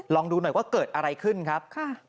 ลองดูหน่อยว่าเกิดอะไรขึ้นครับ